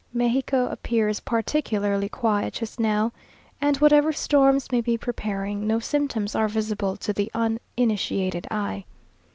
Mexico appears particularly quiet just now; and whatever storms may be preparing, no symptoms are visible to the uninitiated eye.